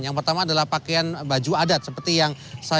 yang pertama adalah pakaian baju adat seperti yang saya